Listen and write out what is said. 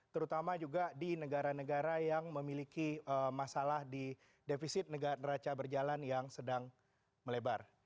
terutama juga di negara negara yang memiliki masalah di defisit neraca berjalan yang sedang melebar